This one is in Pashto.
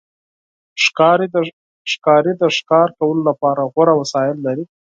ښکاري د ښکار کولو لپاره غوره وسایل لري.